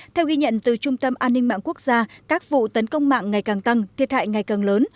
theo ghi nhận từ trung tâm an ninh mạng quốc gia các vụ tấn công mạng ngày càng tăng thiệt hại ngày càng lớn